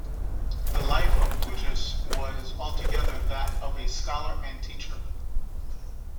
The life of Cujas was altogether that of a scholar and teacher.